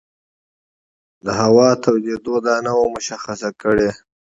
د هوا تودېدو دا نه وه مشخصه کړې.